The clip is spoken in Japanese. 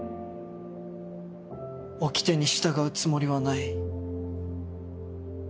おきてに従うつもりはない。